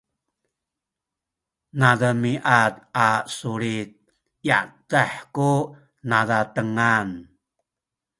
nademiad a sulit yadah ku nazatengan